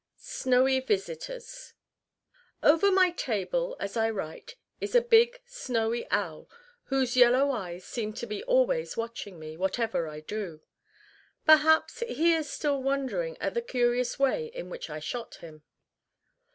SNOWY VISITORS. Over my table, as I write, is a big snowy owl whose yellow eyes seem to be always watching me, whatever I do. Perhaps he is still wondering at the curious way in which I shot him.